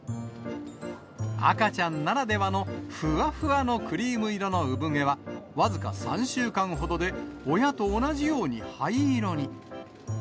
赤ちゃんならではの、ふわふわのクリーム色の産毛は、僅か３週間ほどで親と同じように灰色に。